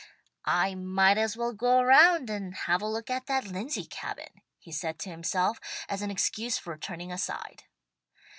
"I might as well go around and have a look at that Lindsey Cabin," he said to himself, as an excuse for turning aside.